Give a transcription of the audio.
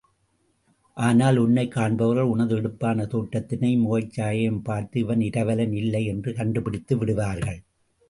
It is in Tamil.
ஆனால் உன்னைக் காண்பவர்கள் உனது எடுப்பான தோற்றத்தினையும் முகச்சாயையும் பார்த்தே இவன் இரவலன் இல்லை என்று கண்டுபிடித்து விடுவார்கள்.